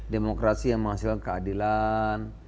demokrasi yang menghasilkan keadilan